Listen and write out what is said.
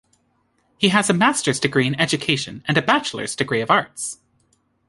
He has a Master's degree in Education, and a bachelor's degree of arts.